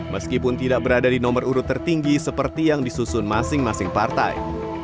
meskipun tidak berada di nomor urut tertinggi seperti yang disusun masing masing partai